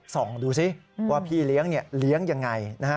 ส่องดูซิว่าพี่เลี้ยงเลี้ยงยังไง